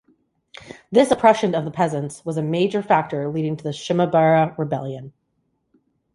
This oppression of the peasants was a major factor leading to the Shimabara Rebellion.